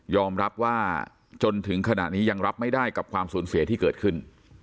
รับว่าจนถึงขณะนี้ยังรับไม่ได้กับความสูญเสียที่เกิดขึ้น